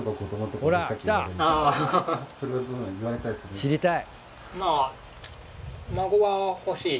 知りたい！